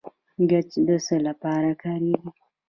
ګچ د څه لپاره کاریږي؟